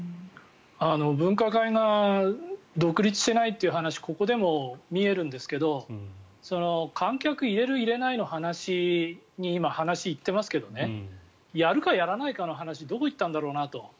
分科会が独立していないという話ここでも見えるんですけど観客を入れる、入れないの話に今、行ってますけどやるか、やらないかの話はどこに行ったんだろうなと。